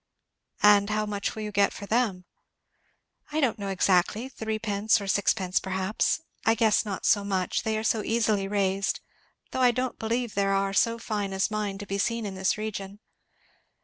"And how much will you get for them?" "I don't know exactly threepence, or sixpence perhaps, I guess not so much they are so easily raised; though I don't believe there are so fine as mine to be seen in this region.